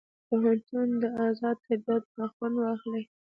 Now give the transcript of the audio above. چې د پوهنتون د ازاد طبيعت نه خوند واخلي.